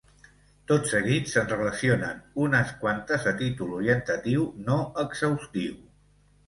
Tot seguit se'n relacionen unes quantes a títol orientatiu, no exhaustiu.